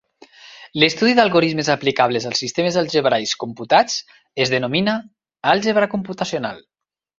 L'estudi d'algorismes aplicables als sistemes algebraics computats es denomina àlgebra computacional.